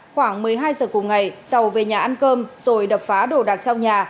khoảng một mươi hai giờ cùng ngày sầu về nhà ăn cơm rồi đập phá đồ đạc trong nhà